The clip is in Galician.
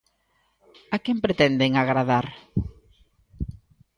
A quen pretenden agradar?